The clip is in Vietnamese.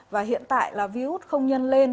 và hiện tại là virus không nhân lên